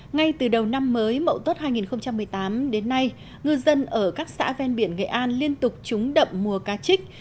ngay từ đầu năm mới mậu tốt hai nghìn một mươi tám đến nay ngư dân ở các xã ven biển nghệ an liên tục trúng đậm mùa cá trích